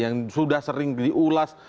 yang sudah sering diulas